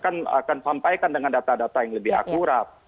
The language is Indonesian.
kan akan sampaikan dengan data data yang lebih akurat